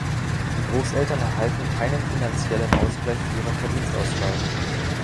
Die Großeltern erhalten keinen finanziellen Ausgleich für ihren Verdienstausfall.